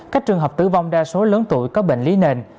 các trường hợp tử vong đa số lớn tuổi có bệnh lý nền